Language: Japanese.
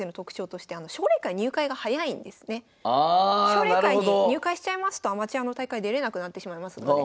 奨励会に入会しちゃいますとアマチュアの大会出れなくなってしまいますので。